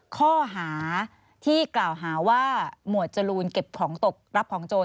ข้อหาที่กล่าวหาว่าหมวดจรูนเก็บของตกรับของโจร